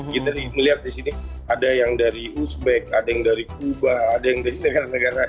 kita melihat di sini ada yang dari uzbek ada yang dari kuba ada yang dari negara negara